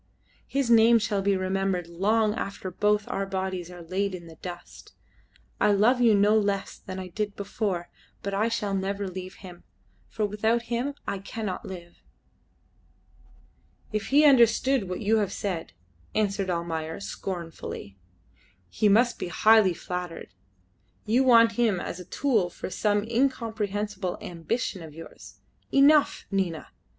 His name shall be remembered long after both our bodies are laid in the dust. I love you no less than I did before, but I shall never leave him, for without him I cannot live." "If he understood what you have said," answered Almayer, scornfully, "he must be highly flattered. You want him as a tool for some incomprehensible ambition of yours. Enough, Nina.